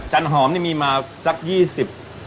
จันหอมนี่มีมาสัก๒๒ปี